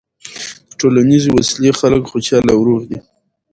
د ټولنیزې وصلۍ خلک خوشحاله او روغ دي.